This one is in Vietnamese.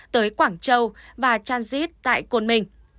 tới quảng châu và transit tại côn minh